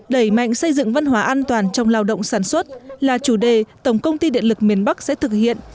đẩy mạnh xây dựng văn hóa an toàn trong lao động sản xuất là chủ đề tổng công ty điện lực miền bắc sẽ thực hiện